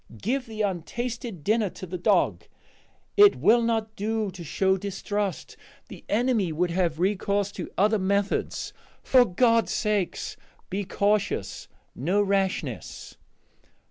Give the untasted dinner to the dog; it will not do to show distrust; the enemy would have recourse to other methods. For God's sake, be cautious! no rashness!"